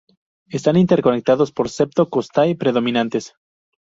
Están interconectados por septo-costae prominentes.